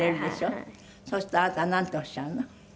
そうするとあなたはなんておっしゃるの？